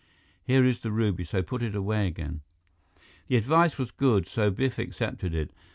Here is the ruby, so put it away again." The advice was good, so Biff accepted it.